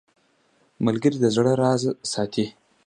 ملګری د زړه راز ساتي